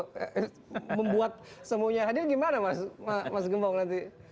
kalau membuat semuanya hadir gimana mas gembong nanti